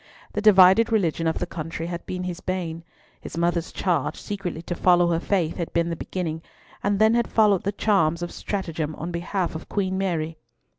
The divided religion of the country had been his bane: his mother's charge secretly to follow her faith had been the beginning, and then had followed the charms of stratagem on behalf of Queen Mary.